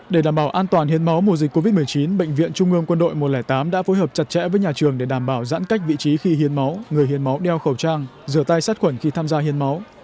để đảm bảo an toàn hiến máu mùa dịch covid một mươi chín bệnh viện trung ương quân đội một trăm linh tám đã phối hợp chặt chẽ với nhà trường để đảm bảo giãn cách vị trí khi hiến máu người hiến máu đeo khẩu trang rửa tay sát khuẩn khi tham gia hiến máu